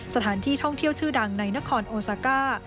สถานที่ท่องเที่ยวชื่อดังในนครโอซาก้า